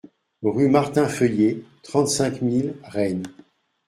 Rue Martin Feuillée, trente-cinq mille Rennes